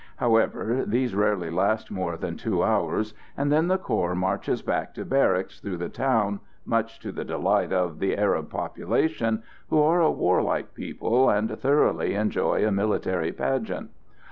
However, these rarely last more than two hours, and then the corps marches back to barracks through the town, much to the delight of the Arab population, who are a warlike people and thoroughly enjoy a military pageant.